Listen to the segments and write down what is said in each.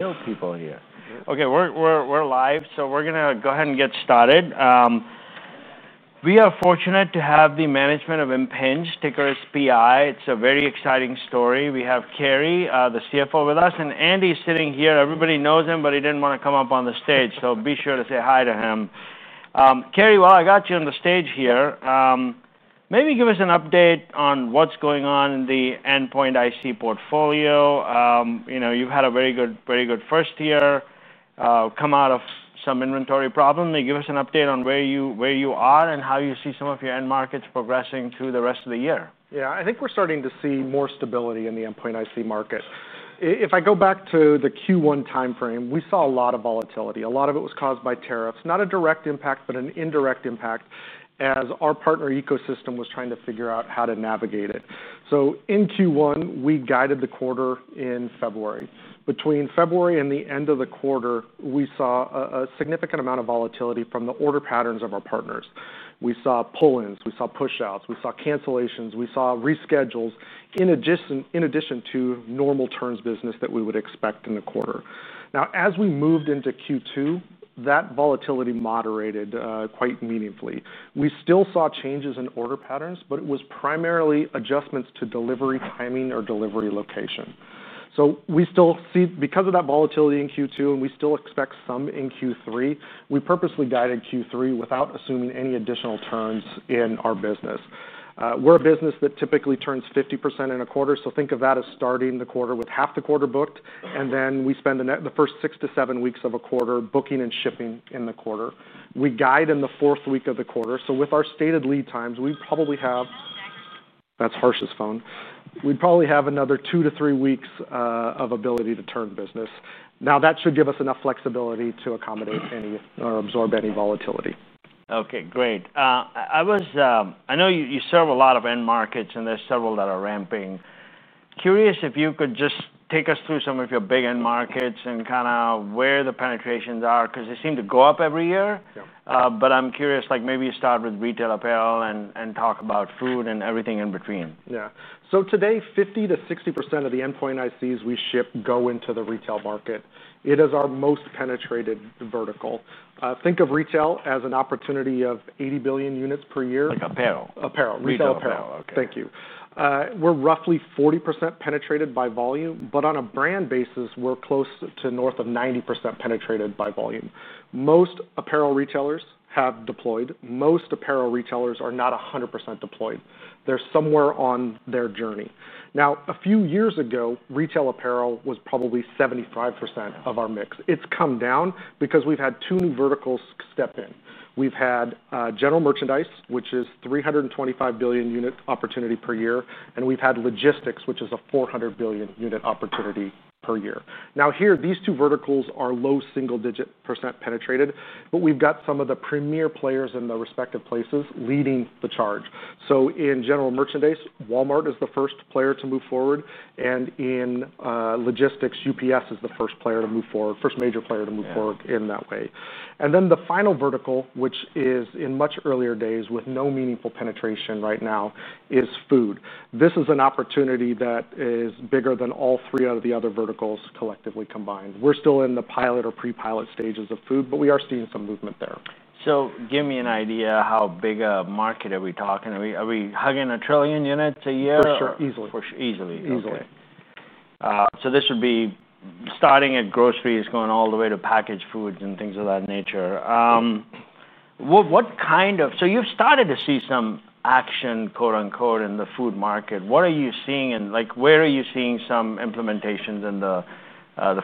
New people here. Okay, we're live, so we're going to go ahead and get started. We are fortunate to have the management of Impinj, ticker is PI. It's a very exciting story. We have Cary, the CFO, with us, and Andy is sitting here. Everybody knows him, but he didn't want to come up on the stage, so be sure to say hi to him. Cary, while I got you on the stage here, maybe give us an update on what's going on in the endpoint IC portfolio. You know, you've had a very good first year, come out of some inventory problem. Maybe give us an update on where you are and how you see some of your end markets progressing through the rest of the year. Yeah, I think we're starting to see more stability in the endpoint IC market. If I go back to the Q1 timeframe, we saw a lot of volatility. A lot of it was caused by tariffs, not a direct impact, but an indirect impact as our partner ecosystem was trying to figure out how to navigate it. In Q1, we guided the quarter in February. Between February and the end of the quarter, we saw a significant amount of volatility from the order patterns of our partners. We saw pull-ins, push-outs, cancellations, and reschedules in addition to normal turns business that we would expect in the quarter. As we moved into Q2, that volatility moderated quite meaningfully. We still saw changes in order patterns, but it was primarily adjustments to delivery timing or delivery location. We still see, because of that volatility in Q2, and we still expect some in Q3, we purposely guided Q3 without assuming any additional turns in our business. We're a business that typically turns 50% in a quarter, so think of that as starting the quarter with half the quarter booked, and then we spend the first six to seven weeks of a quarter booking and shipping in the quarter. We guide in the fourth week of the quarter, so with our stated lead times, we'd probably have, that's Harsh's phone, we'd probably have another two to three weeks of ability to turn business. That should give us enough flexibility to accommodate or absorb any volatility. Okay, great. I know you serve a lot of end markets and there's several that are ramping. Curious if you could just take us through some of your big end markets and kind of where the penetrations are, because they seem to go up every year. I'm curious, like maybe you start with retail apparel and talk about food and everything in between. Today, 50% to 60% of the endpoint ICs we ship go into the retail market. It is our most penetrated vertical. Think of retail as an opportunity of 80 billion units per year. Like apparel? Apparel, retail apparel. Retail apparel, okay. Thank you. We're roughly 40% penetrated by volume, but on a brand basis, we're close to north of 90% penetrated by volume. Most apparel retailers have deployed. Most apparel retailers are not 100% deployed. They're somewhere on their journey. A few years ago, retail apparel was probably 75% of our mix. It's come down because we've had two new verticals step in. We've had general merchandise, which is a $325 billion unit opportunity per year, and we've had logistics, which is a $400 billion unit opportunity per year. Here, these two verticals are low single-digit % penetrated, but we've got some of the premier players in the respective places leading the charge. In general merchandise, Walmart is the first player to move forward, and in logistics, UPS is the first major player to move forward in that way. The final vertical, which is in much earlier days with no meaningful penetration right now, is food. This is an opportunity that is bigger than all three of the other verticals collectively combined. We're still in the pilot or pre-pilot stages of food, but we are seeing some movement there. Give me an idea how big a market are we talking? Are we hugging a trillion units a year? For sure, easily. Easily. This would be starting at groceries, going all the way to packaged foods and things of that nature. What kind of, you've started to see some action, quote unquote, in the food market. What are you seeing and where are you seeing some implementations in the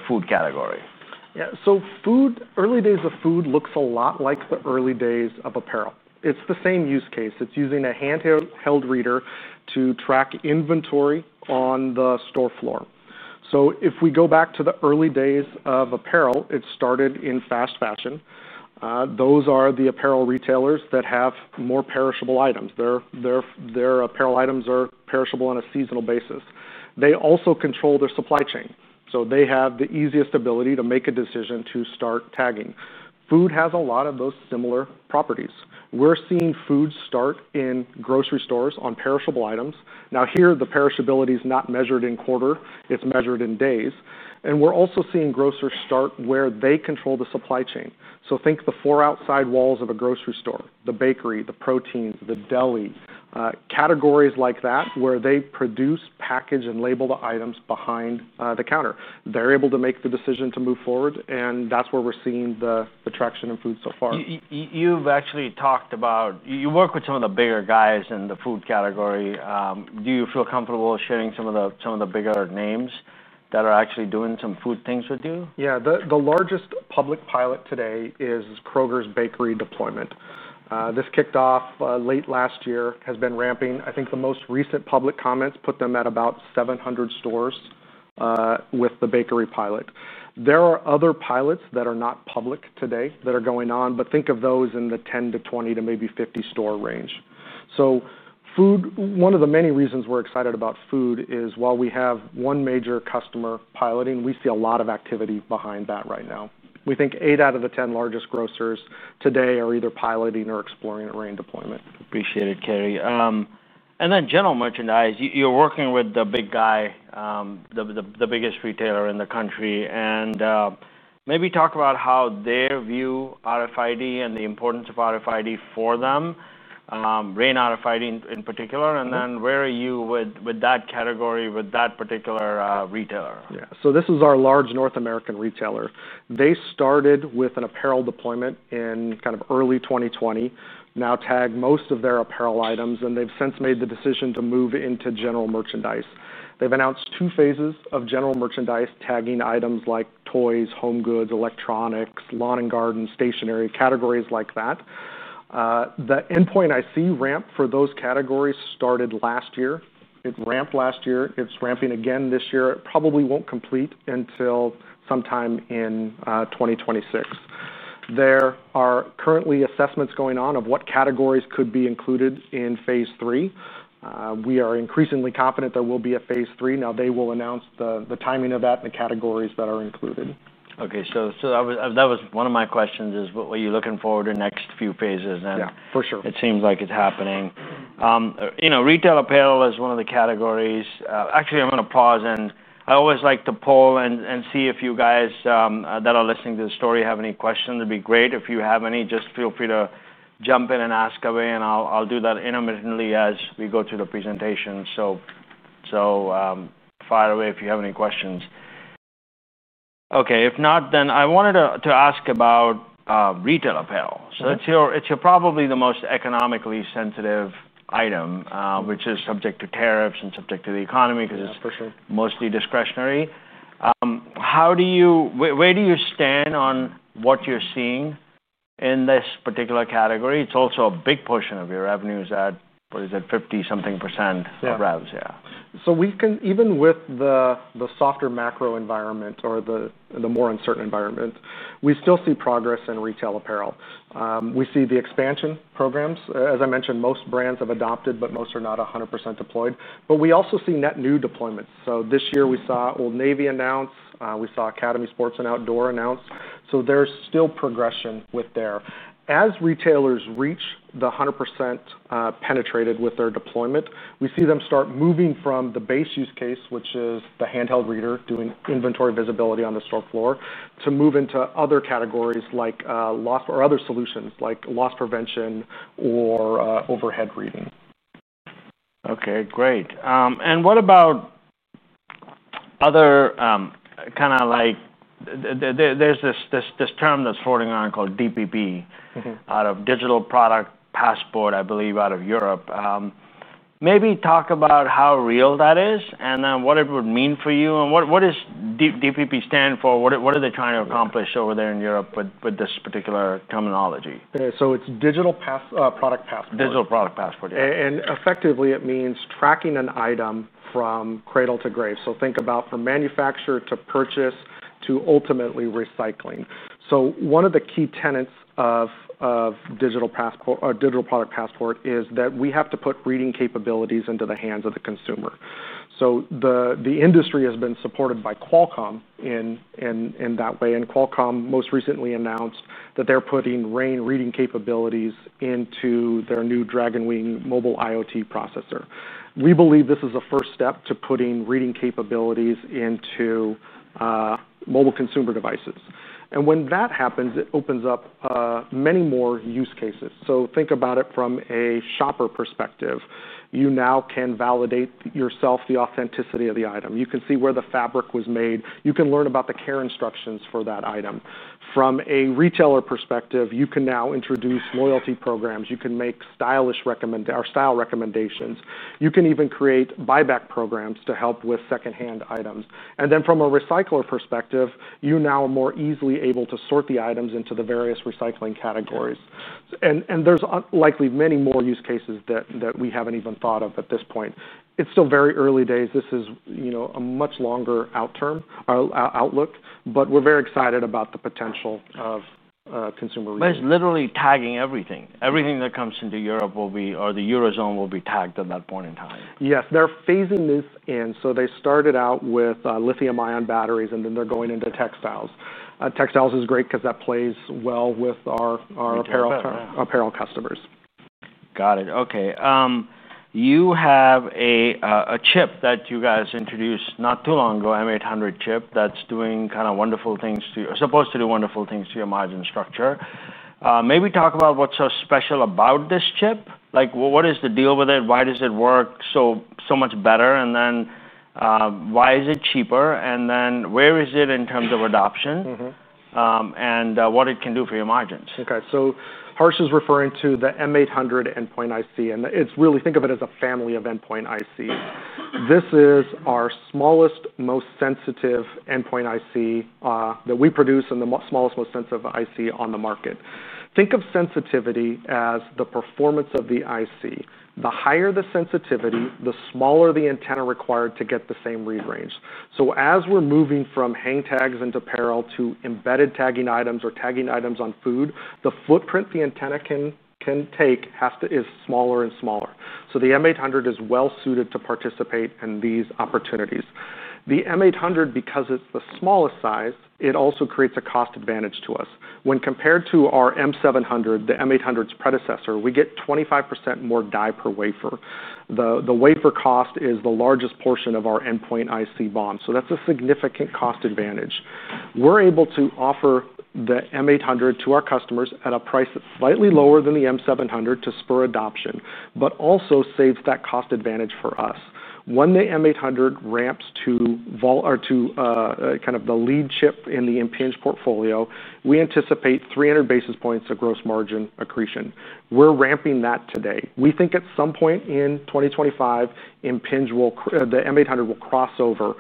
food category? Yeah, so food, early days of food looks a lot like the early days of apparel. It's the same use case. It's using a handheld reader to track inventory on the store floor. If we go back to the early days of apparel, it started in fast fashion. Those are the apparel retailers that have more perishable items. Their apparel items are perishable on a seasonal basis. They also control their supply chain. They have the easiest ability to make a decision to start tagging. Food has a lot of those similar properties. We're seeing food start in grocery stores on perishable items. Here, the perishability is not measured in quarter. It's measured in days. We're also seeing grocers start where they control the supply chain. Think the four outside walls of a grocery store, the bakery, the proteins, the deli, categories like that where they produce, package, and label the items behind the counter. They're able to make the decision to move forward, and that's where we're seeing the traction in food so far. You've actually talked about, you work with some of the bigger guys in the food category. Do you feel comfortable sharing some of the bigger names that are actually doing some food things with you? Yeah, the largest public pilot today is Kroger's bakery deployment. This kicked off late last year, has been ramping. I think the most recent public comments put them at about 700 stores with the bakery pilot. There are other pilots that are not public today that are going on, but think of those in the 10 to 20 to maybe 50 store range. Food, one of the many reasons we're excited about food is while we have one major customer piloting, we see a lot of activity behind that right now. We think 8 out of the 10 largest grocers today are either piloting or exploring a RAIN deployment. Appreciate it, Cary. In general merchandise, you're working with the big guy, the biggest retailer in the country. Maybe talk about how their view of RFID and the importance of RFID for them, RAIN RFID in particular, and where you are with that category, with that particular retailer? Yeah, this is our large North American retailer. They started with an apparel deployment in early 2020, now tag most of their apparel items, and they've since made the decision to move into general merchandise. They've announced two phases of general merchandise, tagging items like toys, home goods, electronics, lawn and garden, stationery, categories like that. The endpoint IC ramp for those categories started last year. It ramped last year. It's ramping again this year. It probably won't complete until sometime in 2026. There are currently assessments going on of what categories could be included in phase three. We are increasingly confident there will be a phase three. They will announce the timing of that and the categories that are included. Okay, that was one of my questions. What were you looking forward to in the next few phases? Yeah, for sure. It seems like it's happening. You know, retail apparel is one of the categories. Actually, I always like to poll and see if you guys that are listening to the story have any questions. It'd be great if you have any, just feel free to jump in and ask away, and I'll do that intermittently as we go through the presentation. Fire away if you have any questions. If not, then I wanted to ask about retail apparel. It's probably the most economically sensitive item, which is subject to tariffs and subject to the economy because it's mostly discretionary. How do you, where do you stand on what you're seeing in this particular category? It's also a big portion of your revenues at, what is it, 50 something % growth, yeah. Even with the softer macro environment or the more uncertain environment, we still see progress in retail apparel. We see the expansion programs. As I mentioned, most brands have adopted, but most are not 100% deployed. We also see net new deployments. This year we saw Old Navy announce, we saw Academy Sports and Outdoor announce. There's still progression there. As retailers reach the 100% penetrated with their deployment, we see them start moving from the base use case, which is the handheld reader doing inventory visibility on the store floor, to move into other categories like loss or other solutions like loss prevention or overhead reading. Okay, great. What about other kind of like, there's this term that's floating around called DPP, out of Digital Product Passport, I believe, out of Europe. Maybe talk about how real that is and what it would mean for you and what does DPP stand for? What are they trying to accomplish over there in Europe with this particular terminology? It's Digital Product Passport. Digital product passport, yeah. It means tracking an item from cradle to grave. Think about from manufacture to purchase to ultimately recycling. One of the key tenets of digital product passport is that we have to put reading capabilities into the hands of the consumer. The industry has been supported by Qualcomm in that way. Qualcomm most recently announced that they're putting RAIN reading capabilities into their new Dragon Wing mobile IoT processor. We believe this is a first step to putting reading capabilities into mobile consumer devices. When that happens, it opens up many more use cases. Think about it from a shopper perspective. You now can validate yourself the authenticity of the item. You can see where the fabric was made. You can learn about the care instructions for that item. From a retailer perspective, you can now introduce loyalty programs. You can make style recommendations. You can even create buyback programs to help with second-hand items. From a recycler perspective, you now are more easily able to sort the items into the various recycling categories. There are likely many more use cases that we haven't even thought of at this point. It's still very early days. This is a much longer outlook, but we're very excited about the potential of consumer reading. It's literally tagging everything. Everything that comes into Europe or the Eurozone will be tagged at that point in time. Yes, they're phasing this in. They started out with lithium-ion batteries, and then they're going into textiles. Textiles is great because that plays well with our apparel customers. Got it. Okay. You have a chip that you guys introduced not too long ago, Impinj M800 chip, that's doing kind of wonderful things to you, supposed to do wonderful things to your margin structure. Maybe talk about what's so special about this chip. Like what is the deal with it? Why does it work so much better? Why is it cheaper? Where is it in terms of adoption? What it can do for your margins? Okay, so Harsh is referring to the M800 endpoint IC, and it's really, think of it as a family of endpoint IC. This is our smallest, most sensitive endpoint IC that we produce and the smallest, most sensitive IC on the market. Think of sensitivity as the performance of the IC. The higher the sensitivity, the smaller the antenna required to get the same read range. As we're moving from hang tags into parallel to embedded tagging items or tagging items on food, the footprint the antenna can take is smaller and smaller. The M800 is well suited to participate in these opportunities. The M800, because it's the smallest size, also creates a cost advantage to us. When compared to our M700, the M800's predecessor, we get 25% more die per wafer. The wafer cost is the largest portion of our endpoint IC BOM. That's a significant cost advantage. We're able to offer the M800 to our customers at a price slightly lower than the M700 to spur adoption, but also save that cost advantage for us. When the M800 ramps to kind of the lead chip in the Impinj portfolio, we anticipate 300 basis points of gross margin accretion. We're ramping that today. We think at some point in 2025, Impinj will, the M800 will cross over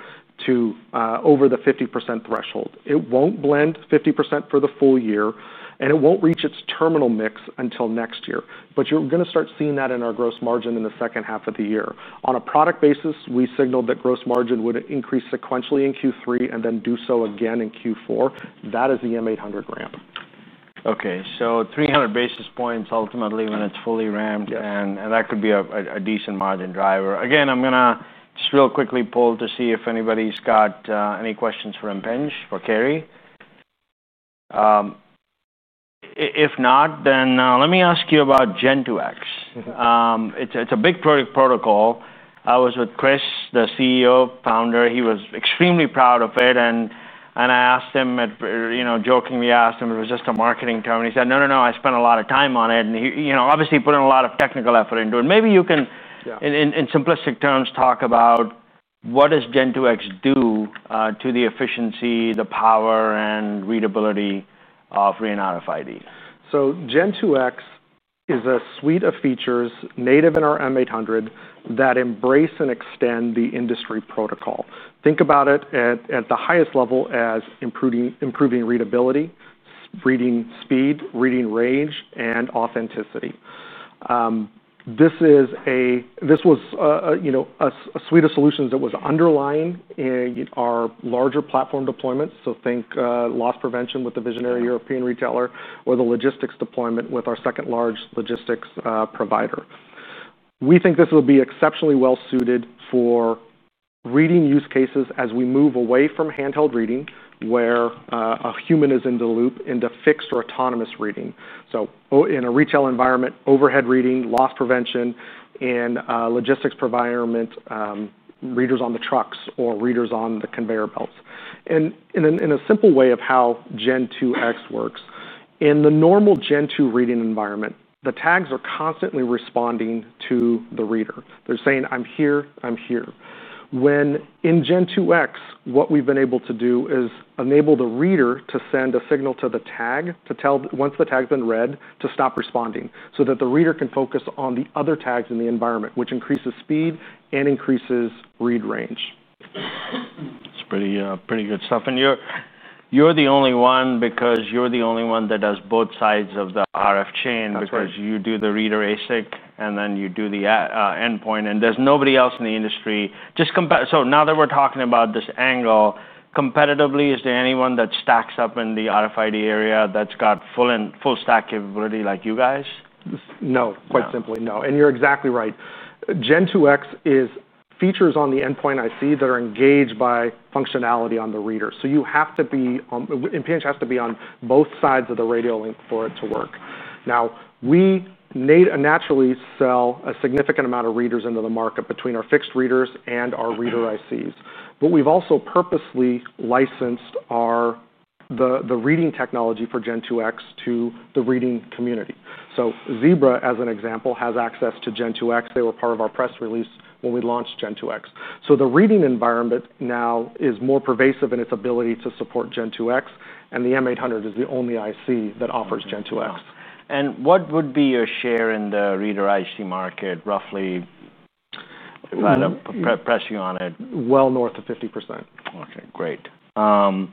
to over the 50% threshold. It won't blend 50% for the full year, and it won't reach its terminal mix until next year. You're going to start seeing that in our gross margin in the second half of the year. On a product basis, we signaled that gross margin would increase sequentially in Q3 and then do so again in Q4. That is the M800 ramp. Okay, so 300 basis points ultimately when it's fully ramped, and that could be a decent margin driver. Again, I'm going to just real quickly poll to see if anybody's got any questions for Impinj or Cary. If not, then let me ask you about Gen2X. It's a big product protocol. I was with Chris, the CEO, founder. He was extremely proud of it, and I asked him, you know, jokingly asked him, it was just a marketing term. He said, no, no, no, I spent a lot of time on it, and you know, obviously put in a lot of technical effort into it. Maybe you can, in simplistic terms, talk about what does Gen2X do to the efficiency, the power, and readability of RAIN RFID. Gen2X is a suite of features native in our M800 that embrace and extend the industry protocol. Think about it at the highest level as improving readability, reading speed, reading range, and authenticity. This was a suite of solutions that was underlying in our larger platform deployments. Think loss prevention with the visionary European retailer or the logistics deployment with our second large logistics provider. We think this will be exceptionally well suited for reading use cases as we move away from handheld reading where a human is in the loop into fixed or autonomous reading. In a retail environment, overhead reading, loss prevention, in a logistics environment, readers on the trucks or readers on the conveyor belts. In a simple way of how Gen2X works, in the normal Gen2 reading environment, the tags are constantly responding to the reader. They're saying, I'm here, I'm here. In Gen2X, what we've been able to do is enable the reader to send a signal to the tag to tell once the tag's been read to stop responding so that the reader can focus on the other tags in the environment, which increases speed and increases read range. It's pretty good stuff. You're the only one because you're the only one that does both sides of the RF chain, because you do the reader ASIC and then you do the endpoint, and there's nobody else in the industry. Just compare. Now that we're talking about this angle, competitively, is there anyone that stacks up in the RFID area that's got full-stack capability like you guys? No, quite simply no. You're exactly right. Gen2X is features on the endpoint IC that are engaged by functionality on the reader. You have to be, Impinj has to be on both sides of the radial link for it to work. We naturally sell a significant amount of readers into the market between our fixed readers and our reader ICs. We've also purposely licensed the reading technology for Gen2X to the reading community. Zebra, as an example, has access to Gen2X. They were part of our press release when we launched Gen2X. The reading environment now is more pervasive in its ability to support Gen2X, and the M800 is the only IC that offers Gen2X. What would be your share in the reader IC market, roughly, if I had to press you on it? North of 50%. Okay, great. Awesome.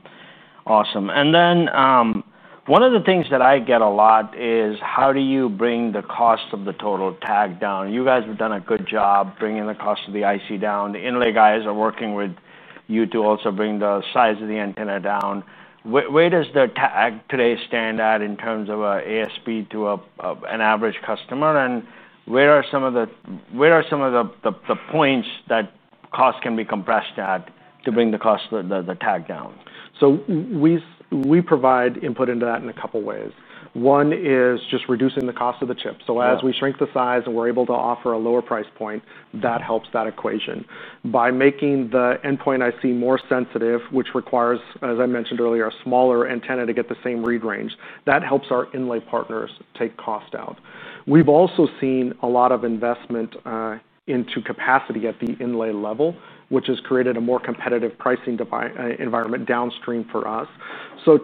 One of the things that I get a lot is how do you bring the cost of the total tag down? You guys have done a good job bringing the cost of the IC down. The inlay guys are working with you to also bring the size of the antenna down. Where does their tag today stand at in terms of an ASP to an average customer? Where are some of the points that cost can be compressed at to bring the cost of the tag down? We provide input into that in a couple of ways. One is just reducing the cost of the chip. As we shrink the size and we're able to offer a lower price point, that helps that equation. By making the endpoint IC more sensitive, which requires, as I mentioned earlier, a smaller antenna to get the same read range, that helps our inlay partners take cost out. We've also seen a lot of investment into capacity at the inlay level, which has created a more competitive pricing environment downstream for us.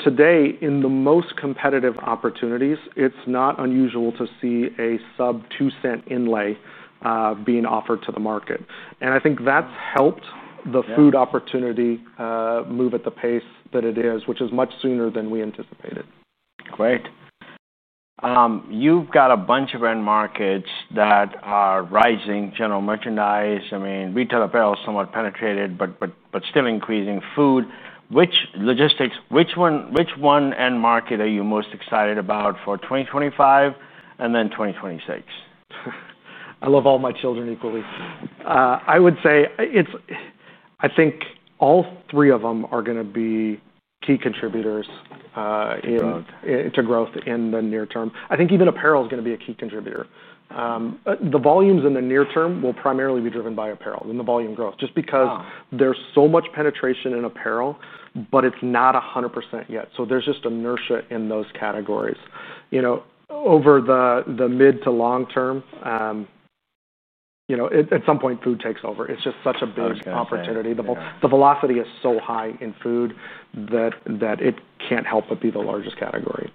Today, in the most competitive opportunities, it's not unusual to see a sub-$0.02 inlay being offered to the market. I think that's helped the food opportunity move at the pace that it is, which is much sooner than we anticipated. Great. You've got a bunch of end markets that are rising, general merchandise. I mean, retail apparel is somewhat penetrated, but still increasing, food, logistics. Which one end market are you most excited about for 2025 and then 2026? I love all my children equally. I would say it's, I think all three of them are going to be key contributors to growth in the near term. I think even apparel is going to be a key contributor. The volumes in the near term will primarily be driven by apparel and the volume growth, just because there's so much penetration in apparel, but it's not 100% yet. There is just inertia in those categories. Over the mid to long term, at some point food takes over. It's just such a big opportunity. The velocity is so high in food that it can't help but be the largest category.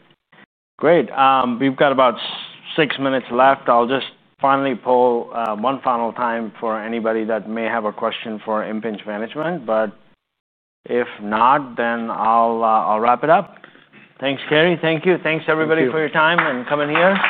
Great. We've got about six minutes left. I'll just finally pull one final time for anybody that may have a question for Impinj Management, but if not, then I'll wrap it up. Thanks, Cary. Thank you. Thanks, everybody, for your time and coming here.